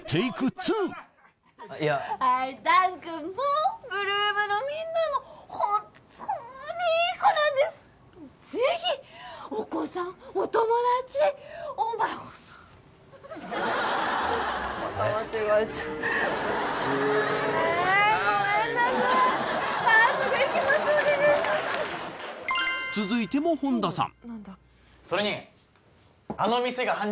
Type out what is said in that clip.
２いや続いても本田さん